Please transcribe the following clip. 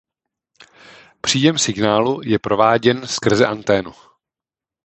Příjem signálu je prováděn skrze anténu.